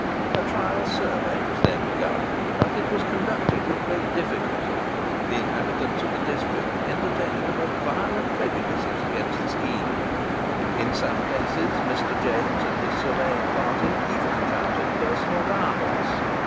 ] A trial survey was then begun, but it was conducted with great difficulty, the inhabitants of the district entertaining the most violent prejudices against the scheme. In some places Mr. James and his surveying party even encountered personal violence.